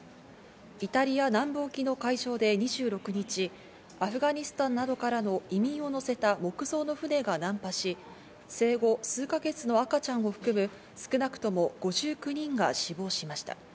イタリア南部沖の海上で２６日、アフガニスタンなどからの移民を乗せた木造の船が難破し、生後数か月の赤ちゃんを含む、少なくとも５９人が死亡しました。